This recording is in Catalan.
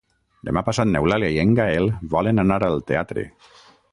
Demà passat n'Eulàlia i en Gaël volen anar al teatre.